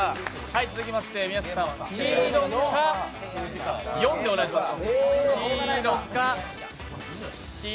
続きまして宮下さん、黄色か、４でお願いします。